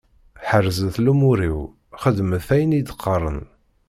Ḥerzet lumuṛ-iw, xeddmet ayen i d-qqaren.